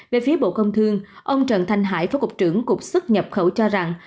về phía bộ công thương ông trần thanh hải phó cục trưởng cục xuất nhập khẩu cho rằng